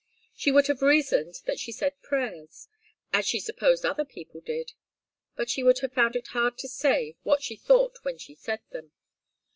She would have reasoned that she said prayers, as she supposed other people did; but she would have found it hard to say what she thought when she said them.